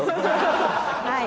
はい。